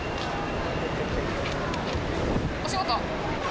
お仕事は？